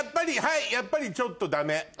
やっぱりちょっと。